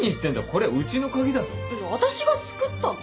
これうちの鍵だぞ。あたしが作ったの！